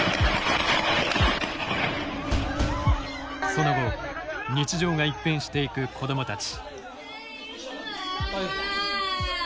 その後、日常が一変していく子どもたち。